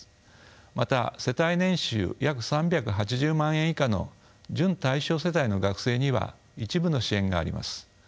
また世帯年収約３８０万円以下の準対象世帯の学生には一部の支援があります。